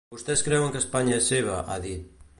Vostès creuen que Espanya és seva, ha dit.